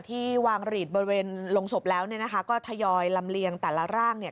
ที่วางหลีดบริเวณลงศพแล้วเนี่ยนะคะก็ทยอยลำเลียงแต่ละร่างเนี่ย